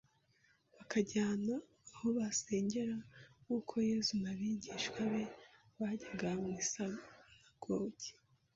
bakajyana aho basengera nk’uko Yesu n’abigishwa be bajyaga mu isinagogi